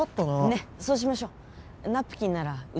ねっ、そうしましょ。